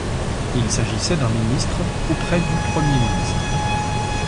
Il s’agissait d’un ministre auprès du Premier ministre.